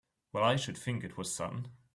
Well I should think it was sudden!